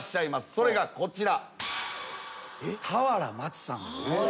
それがこちら。